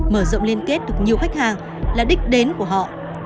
mở rộng liên kết được nhiều khách hàng là đích đến của họ